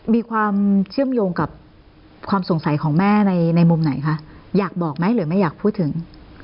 มีความเชื่อมโยงกับความสงสัยของแม่ในมุมไหนคะอยากบอกไหมหรือไม่อยากพูดถึง